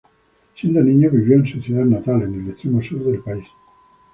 Siendo niño vivió en su ciudad natal, en el extremo sur del país.